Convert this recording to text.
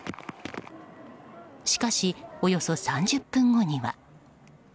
しかし、およそ３０分後には。